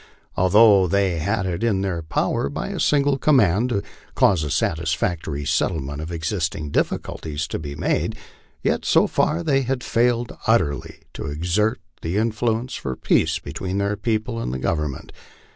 207 although they had it in their power, by a single command, to cause a satisfactory settlement of existing difficulties to be made, yet so far they had failed utterly to exert an influence for peace between their people and the Government.